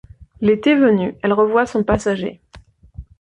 L'été venue, elle revoit son passager.